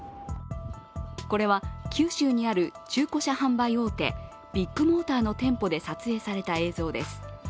これは、九州にある中古車販売ビッグモーターの店舗で撮影された映像です。